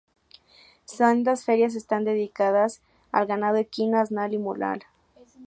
Sendas ferias están dedicadas al ganado equino, asnal y mular.